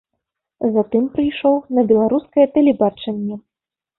Затым прыйшоў на беларускае тэлебачанне.